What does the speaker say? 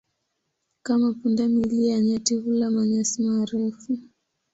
Kama punda milia, nyati hula manyasi marefu.